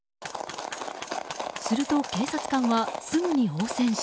すると、警察官はすぐに応戦し。